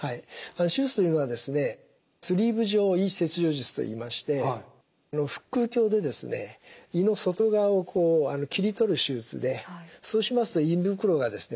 手術というのはですねスリーブ状胃切除術といいまして腹腔鏡でですね胃の外側をこう切り取る手術でそうしますと胃袋がですね